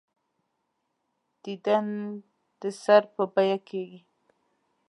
دیدن د سر په بیعه کېږي.